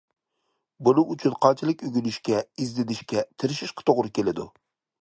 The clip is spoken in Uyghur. بۇنىڭ ئۈچۈن قانچىلىك ئۆگىنىشكە، ئىزدىنىشكە، تىرىشىشقا توغرا كېلىدۇ.